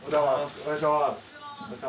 お願いします。